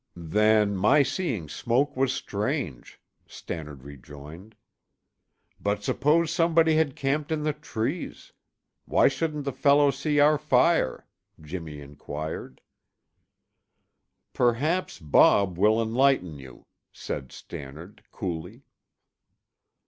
"Then, my seeing smoke was strange," Stannard rejoined. "But suppose somebody had camped in the trees? Why shouldn't the fellow see our fire?" Jimmy inquired. "Perhaps Bob will enlighten you," said Stannard coolly.